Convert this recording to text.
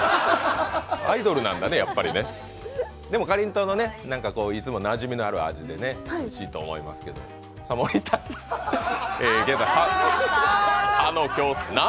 アイドルなんだね、やっぱりかりんとうのいつもなじみのある味でおいしいと思いますけど森田さん、歯の矯正。